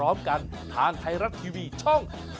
เพราะว่าอานิสงค์จะส่งผลทำให้ดวงชาตาของคุณดีขึ้นไปอีกขั้นนั่นเองค่ะ